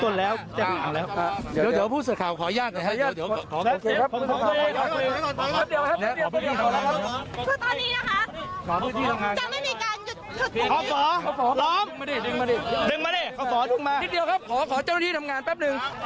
เดี๋ยวพูดเสิร์ฟข่าวขออนุญาตกันนะครับ